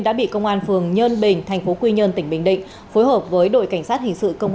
của công an phường nhơn bình tp quy nhơn tỉnh bình định phối hợp với đội cảnh sát hình sự công